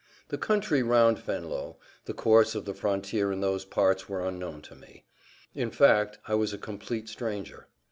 The country round Venlo, the course of the frontier in those parts were unknown to me; in fact, I was a complete stranger.